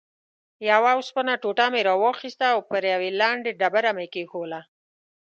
یوه اوسپنه ټوټه مې راواخیسته او پر یوې لندې ډبره مې کېښووله.